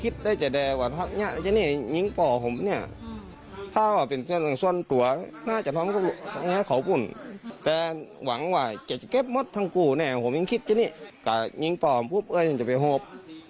ทั้งกูเนี่ยผมยังคิดอย่างนี้กะยิงป่อมปุ๊บจะไปห่วบ